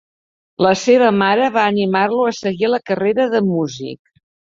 La seva mare va animar-lo a seguir la carrera de músic.